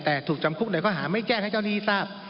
แต่ถูกจำคุกในข้อหาไม่แจ้งให้เจ้าหนี้ทราบ